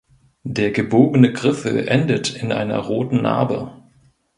Der gebogene Griffel endet in einer roten Narbe.